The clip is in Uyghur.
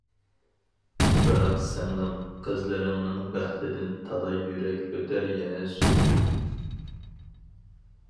بىراق سىڭلىڭ، قىزلىرىڭنىڭ بەختىدىن، تالاي يۈرەك ئۆتەر يەنە سۆيۈنۈپ.